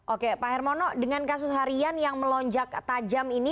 oke pak hermono dengan kasus harian yang melonjak tajam ini